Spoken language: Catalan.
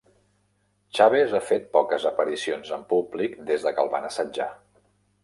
Chaves ha fet poques aparicions en públic des que el van assetjar.